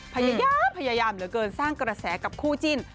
พยายามพยายามเหลือเกินสร้างกระแสกับคู่จิ้น